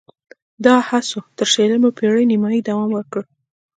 دا هڅو تر شلمې پېړۍ نیمايي دوام وکړ